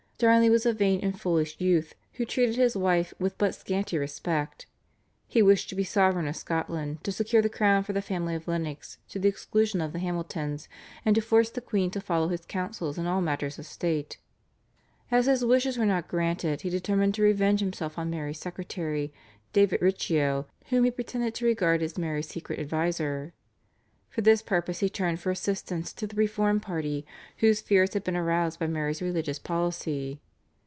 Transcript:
Darnley was a vain and foolish youth who treated his wife with but scanty respect. He wished to be sovereign of Scotland, to secure the crown for the family of Lennox to the exclusion of the Hamiltons, and to force the queen to follow his counsels in all matters of state. As his wishes were not granted he determined to revenge himself on Mary's secretary, David Riccio, whom he pretended to regard as Mary's secret adviser. For this purpose he turned for assistance to the reformed party whose fears had been aroused by Mary's religious policy.